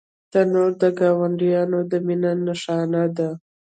تنور د ګاونډیانو د مینې نښانه ده